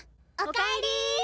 おかえり。